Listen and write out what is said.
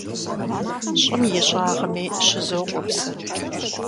ЩӀым и щӀагъми щызокӀуэ псы.